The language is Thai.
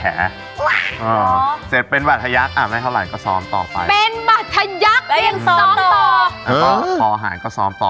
เราก็ซ้อมแบบว่าซีเรียสจริงจังมากเลย